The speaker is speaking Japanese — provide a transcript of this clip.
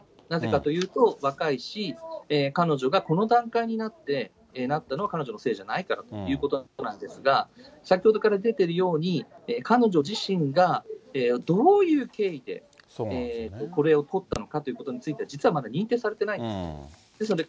なぜかというと、若いし、彼女がこの段階になって、なったのは、彼女のせいではないからということなんですが、先ほどから出てるように、彼女自身がどういう経緯で、これをとったのかということについて、実はまだ認定されてないんです。